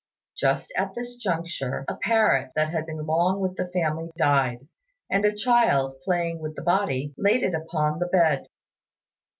Just at this juncture a parrot that had been long with the family died; and a child, playing with the body, laid it upon the bed.